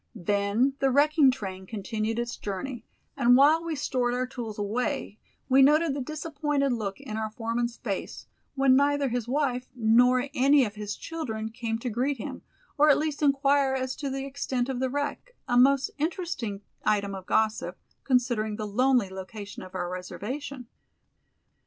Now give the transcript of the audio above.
Then the wrecking train continued its journey, and while we stored our tools away we noted the disappointed look in our foreman's face when neither his wife nor any of his children came to greet him, or at least inquire as to the extent of the wreck, a most interesting item of gossip, considering the lonely location of our reservation.